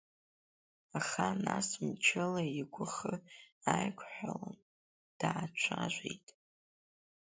Аха нас, мчыла игәахы ааиқәҳәалан, даацәажәеит…